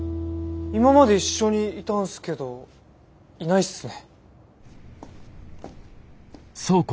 今まで一緒にいたんすけどいないっすね。